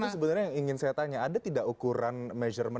ini sebenarnya ingin saya tanya ada tidak ukuran measurement